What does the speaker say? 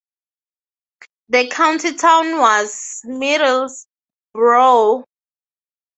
The county town was Middlesbrough.